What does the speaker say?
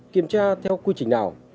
kiểm tra theo quy trình nào